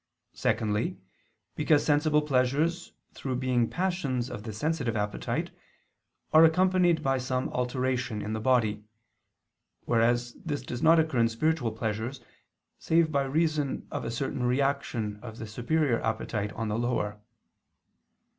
Secondly, because sensible pleasures, through being passions of the sensitive appetite, are accompanied by some alteration in the body: whereas this does not occur in spiritual pleasures, save by reason of a certain reaction of the superior appetite on the lower.